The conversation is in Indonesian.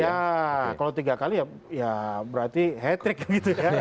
ya kalau tiga kali ya berarti hat trick gitu ya